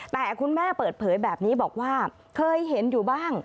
แต่คุณแม่เปิดเผยแบบนี้บอกว่าเคยเห็นอยู่บ้าง